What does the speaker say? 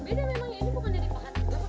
beda memang ya ini bukan dari pakat